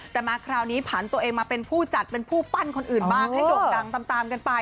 แต่มาคราวนี้ผันตัวเองมาเป็นผู้จัดเป็นผู้ปั้นคนอื่นบ้างให้โด่งดังตามกันไป